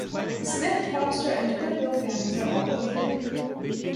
The Smith, Foster and Twidwill families are all related.